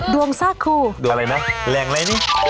ดวงอะไรนะแหล่งอะไรนี่